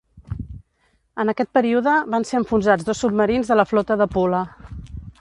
En aquest període van ser enfonsats dos submarins de la Flota de Pula.